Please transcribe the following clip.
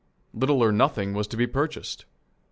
Little or nothing was to be purchased.